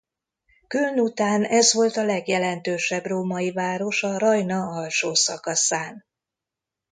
Köln után ez volt a legjelentősebb római város a Rajna alsó szakaszán.